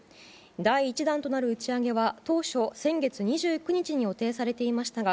第１弾となる打ち上げは当初、先月２９日に予定されていましたが、